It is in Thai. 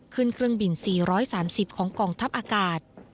ขึ้นเครื่องบิน๔๓๐ของกองทัพอากาศ